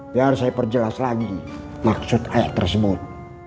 biar saya perjelas lagi maksud ayat tersebut